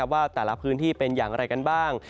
ว่าแต่ละพื้นที่เป็นอย่างไรกันบ้าง